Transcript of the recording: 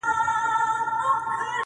دغه سپينه سپوږمۍ.